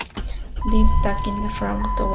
DeWitt, N. Taking a leaf from the book of cell fate.